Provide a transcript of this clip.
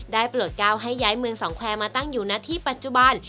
โปรดก้าวให้ย้ายเมืองสองแควร์มาตั้งอยู่หน้าที่ปัจจุบัน